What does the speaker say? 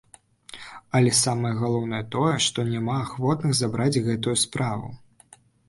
Але самае галоўнае тое, што няма ахвотных забраць гэтую справу.